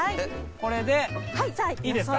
これでいいですか？